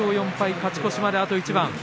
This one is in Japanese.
勝ち越しまであと一番です。